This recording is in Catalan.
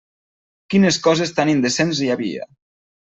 Quines coses tan indecents hi havia!